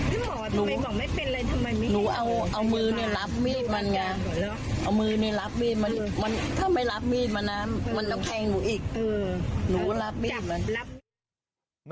หนูรับมีดมัน